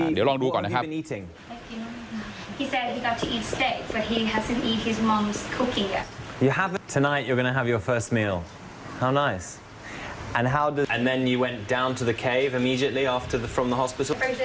เดี๋ยวลองดูก่อนนะครับ